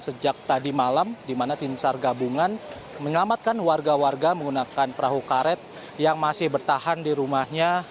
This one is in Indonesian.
sejak tadi malam di mana tim sar gabungan menyelamatkan warga warga menggunakan perahu karet yang masih bertahan di rumahnya